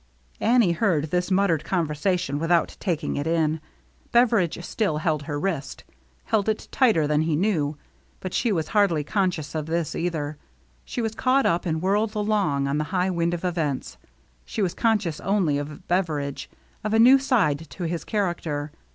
Annie heard this muttered conversation with out taking it in. Beveridge still held her wrist, held it tighter than he knew, but she was hardly conscious of this either. She was caught up and whirled along on the high wind of events. She was conscious only of Beveridge, of a new side to his char acter.